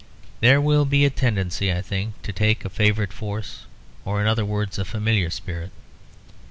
There will be a tendency, I think, to take a favourite force, or in other words a familiar spirit.